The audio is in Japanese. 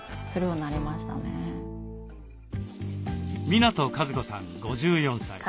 港和子さん５４歳。